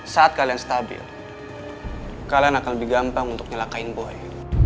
saat kalian stabil kalian akan lebih gampang untuk nyelakain buaya